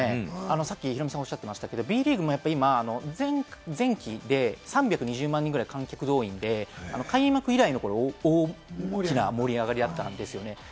さっきヒロミさんがおっしゃっていましたが、Ｂリーグも今、前期で３２０万人ぐらい観客動員で、開幕以来の大きな盛り上がりだったんですよね。